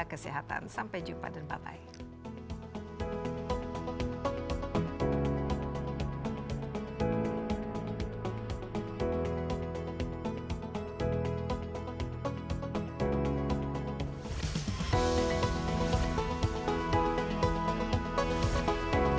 kesehatan sampai jumpa dan bye bye